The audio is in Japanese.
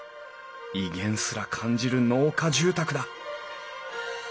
威厳すら感じる農家住宅だ